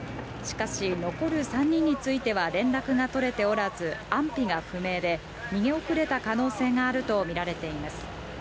しかし、残る３人については連絡が取れておらず、安否が不明で、逃げ遅れた可能性があると見られています。